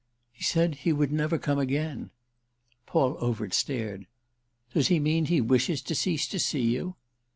"He said he would never come again." Paul Overt stared. "Does he mean he wishes to cease to see you?"